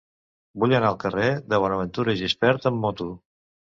Vull anar al carrer de Bonaventura Gispert amb moto.